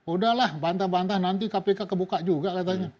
udahlah bantah bantah nanti kpk kebuka juga katanya